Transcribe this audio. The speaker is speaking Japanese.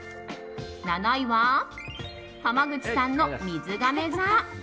７位は、濱口さんのみずがめ座。